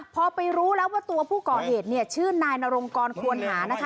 พอไปรู้แล้วว่าตัวผู้ก่อเหตุเนี่ยชื่อนายนรงกรควรหานะคะ